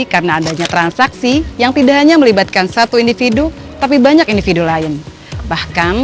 karena adanya transaksi yang tidak hanya melibatkan satu individu tapi banyak individu lain bahkan